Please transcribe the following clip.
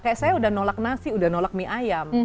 kayak saya udah nolak nasi udah nolak mie ayam